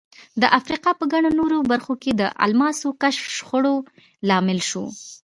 د افریقا په ګڼو نورو برخو کې د الماسو کشف شخړو لامل شو.